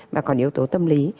mà còn yếu tố tâm lý